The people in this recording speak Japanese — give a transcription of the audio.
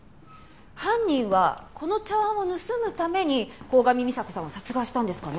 犯人はこの茶碗を盗むために鴻上美沙子さんを殺害したんですかね？